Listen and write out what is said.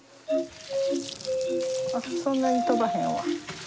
あっそんなに飛ばへんわ。